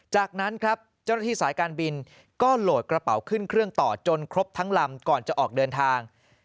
จากนั้นครับเจ้าหน้าที่สายการบินก็โหลดกระเป๋าขึ้นเครื่องต่อจนครบทั้งลำก่อนจะออกเดินทาง